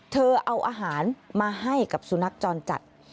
เธอเอาอาหารมาให้กับสุนัขจรจัด